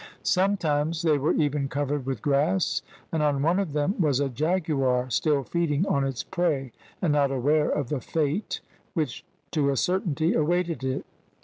Sometimes they were even covered with grass, and on one of them was a jaguar still feeding on its prey, and not aware of the fate which to a certainty awaited it.